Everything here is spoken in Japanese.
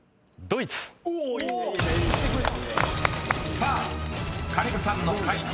［さあ香里武さんの解答